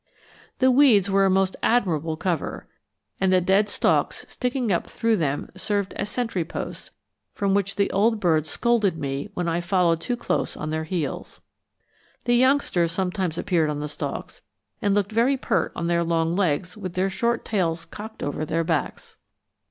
The weeds were a most admirable cover, and the dead stalks sticking up through them served as sentry posts, from which the old birds scolded me when I followed too close on their heels. The youngsters sometimes appeared on the stalks, and looked very pert on their long legs with their short tails cocked over their backs.